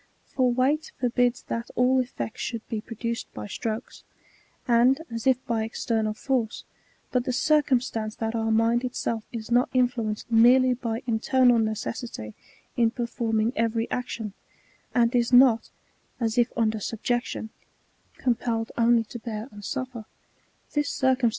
For weight forbids that all effects should be produced by strokes, and as if by external force ; but the cir cumstance that our mind itself is not influenced merely by in ternal necessity in performing every action, and is not, as if under subjection, compelled only to bear and suffer, this cir * Mass of matter must be collected.